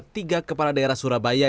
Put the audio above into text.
tiga kepala daerah surabaya